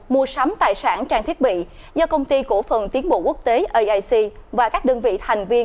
mua sắm tài sản trang thiết bị do công ty cổ phần tiến bộ quốc tế aic và các đơn vị thành viên